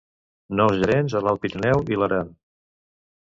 Nous gerents a l'Alt Pirineu i l'Aran.